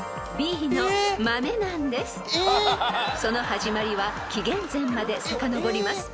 ［その始まりは紀元前までさかのぼります］